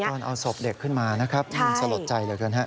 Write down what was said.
พอเอาศพเด็กขึ้นมามันสะหรับใจเลย